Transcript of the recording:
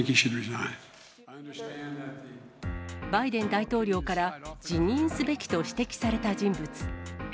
バイデン大統領から、辞任すべきと指摘された人物。